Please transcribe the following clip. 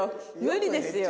無理ですよ。